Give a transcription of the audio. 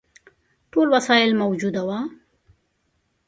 ټول وسایل موجود وه.